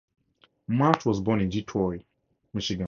Marsh was born in Detroit, Michigan.